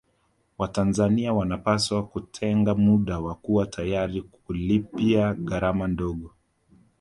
Watanzania wanapaswa kutenga muda na kuwa tayari kulipia gharama ndogo